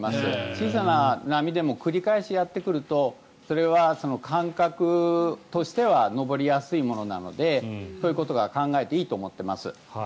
小さな波でも繰り返しやってくるとそれは感覚としては上りやすいものなのでそういうことを考えていいと思います。